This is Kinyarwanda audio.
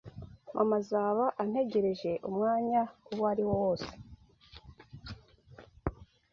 Mama azaba antegereje umwanya uwariwo wose.